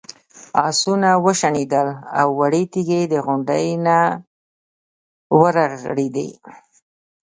آسونه وشڼېدل او وړې تیږې د غونډۍ نه ورغړېدې.